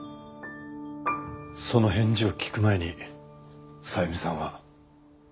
その返事を聞く前にさゆみさんは。